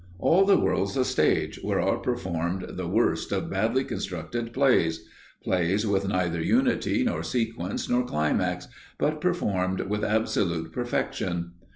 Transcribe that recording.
All the world's a stage where are performed the worst of badly constructed plays plays with neither unity nor sequence nor climax, but performed with absolute perfection.